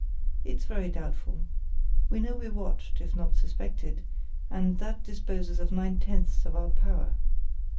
It's very doubtful. We know we're watched, if not suspected, and that disposes of nine tenths of our power.